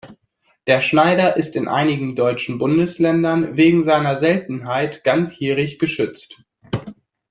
Der Schneider ist in einigen deutschen Bundesländern wegen seiner Seltenheit ganzjährig geschützt.